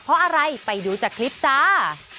เพราะอะไรไปดูจากคลิปจ้า